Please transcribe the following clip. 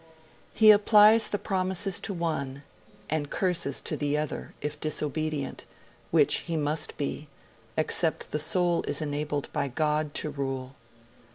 He applies the promises to one and the curses to the other, if disobedient, which he must be, except the soul is enabled by God to rule.